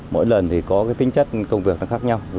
mỗi lần thì có tính chất công việc khác nhau